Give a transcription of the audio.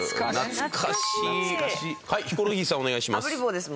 はいヒコロヒーさんお願いします。